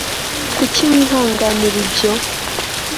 kuki wihanganira ibyo